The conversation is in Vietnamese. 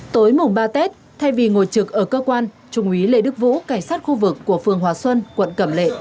tối mùng ba tết thay vì ngồi trực ở cơ quan trung úy lê đức vũ cảnh sát khu vực của phường hòa xuân quận cẩm lệ